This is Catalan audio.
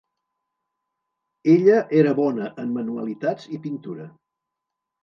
Ella era bona en manualitats i pintura.